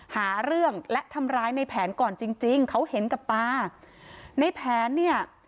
หาเรื่องและทำร้ายในแผนก่อนจริงจริงเขาเห็นกับตาในแผนเนี่ย